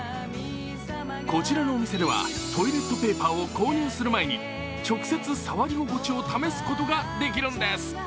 こちらのお店では、トイレットペーパーを購入する前に直接触り心地を試すことができるんです。